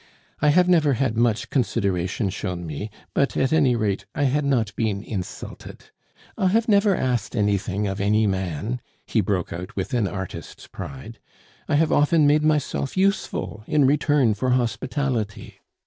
I have never had much consideration shown me, but at any rate I had not been insulted. I have never asked anything of any man," he broke out with an artist's pride. "I have often made myself useful in return for hospitality.